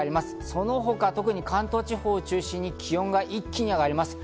その他、特に関東地方を中心に気温が一気に上がります。